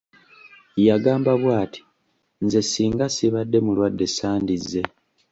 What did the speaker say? Yagamba bw'ati:"nze ssinga ssibadde mulwadde sandize"